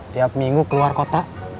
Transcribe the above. tiap minggu keluar kota